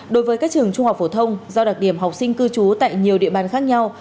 đối với các trường trung học phổ thông do đặc điểm học sinh cư trú tại nhiều địa bàn khác nhau